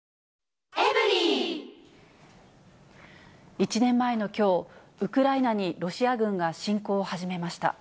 １年前のきょう、ウクライナにロシア軍が侵攻を始めました。